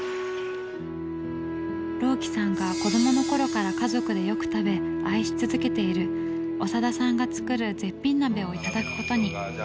朗希さんが子どものころから家族でよく食べ愛し続けている長田さんが作る絶品鍋を頂くことに。